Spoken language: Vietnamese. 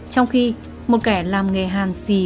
trong khi một kẻ làm nghề hàn xì